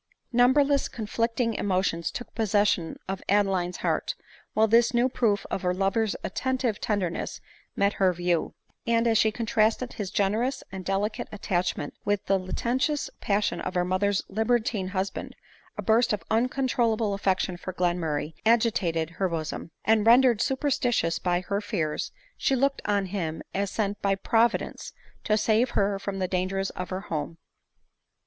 Numberless conflicting emotions took possession of of Adeline's heart, while tliis new proof of her lover's attentive tenderness met her view ; and, as she contrasted his generous and delicate attachment with the licentious passion of her mother's libertine husband, a burst of un controlable affection for Glenmurray agitated her bosom; and, rendered superstitious by her fears, she looked on him as sent by Providence to save her from the dangers of her home.